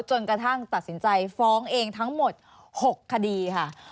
จนกระทั่งตัดสินใจฟ้องเองทั้งหมด๖คดีค่ะ